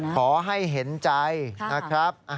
ขอให้เห็นใจนะครับ